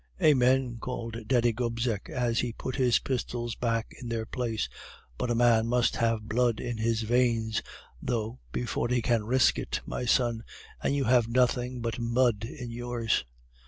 "'Amen!' called Daddy Gobseck as he put his pistols back in their place; 'but a man must have blood in his veins though before he can risk it, my son, and you have nothing but mud in yours.